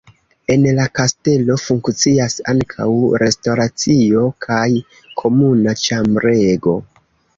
En la kastelo funkcias ankaŭ restoracio kaj komuna ĉambrego.